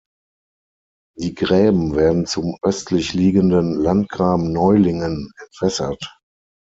Die Gräben werden zum östlich liegenden Landgraben Neulingen entwässert.